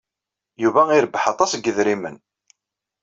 Yuba irebbeḥ aṭas n yedrimen.